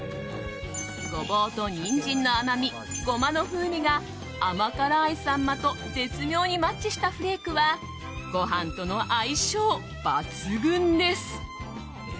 ゴボウとニンジンの甘みゴマの風味が甘辛いサンマと絶妙にマッチしたフレークはご飯との相性抜群です。